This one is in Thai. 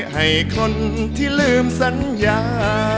ให้คนที่ลืมสัญญา